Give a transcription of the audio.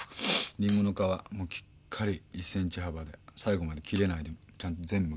リンゴの皮きっかり１センチ幅で最後まで切れないでちゃんと全部むけるからね。